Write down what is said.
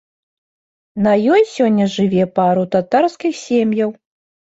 На ёй сёння жыве пару татарскіх сем'яў.